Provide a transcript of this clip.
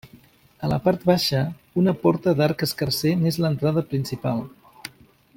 A la part baixa, una porta d'arc escarser n'és l'entrada principal.